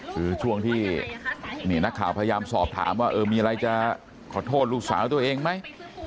คือช่วงที่นี่นักข่าวพยายามสอบถามว่าเออมีอะไรจะขอโทษลูกสาวตัวเองไหม